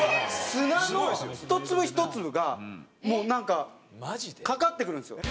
砂のひと粒ひと粒がもうなんかかかってくるんですよ。